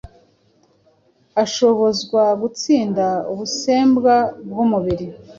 ashobozwa gutsinda ubusembwa bw’umubiri